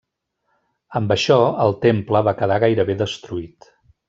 Amb això, el temple va quedar gairebé destruït.